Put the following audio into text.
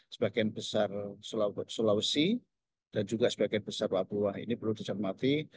sebagian besar sulawesi dan juga sebagian besar papua ini perlu dicermati